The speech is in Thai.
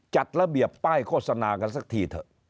จัดระเบียบป้ายโฆษณากันสักทีเถอะ